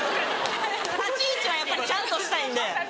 立ち位置はやっぱりちゃんとしたいんで。